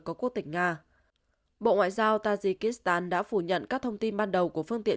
của quốc tịch nga bộ ngoại giao tazikistan đã phủ nhận các thông tin ban đầu của phương tiện